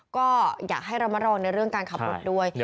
ก็อยากให้ระมัดระวังในเรื่องการขับรถด้วย